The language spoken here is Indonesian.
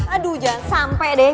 aduh jangan sampai deh